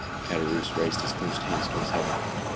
Caderousse raised his clenched hands towards heaven.